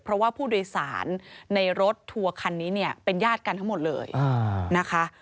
เพราะว่าผู้โดยสารในรถทัวร์คันนี้เนี่ยเป็นญาติกันทั้งหมดเลยนะคะ